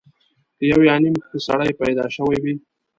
که یو یا نیم ښه سړی پیدا شوی وي.